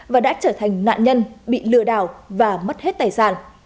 và đã trở thành nạn nhân bị lừa đảo và mất hết tài sản